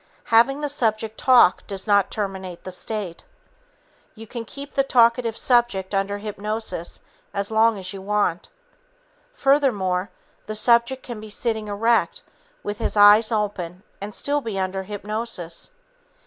Having the subject talk does not terminate the state. You can keep the talkative subject under hypnosis as long as you want. Furthermore, the subject can be sitting erect with his eyes open and still be under hypnosis.